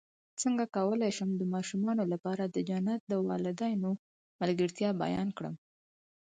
څنګه کولی شم د ماشومانو لپاره د جنت د والدینو ملګرتیا بیان کړم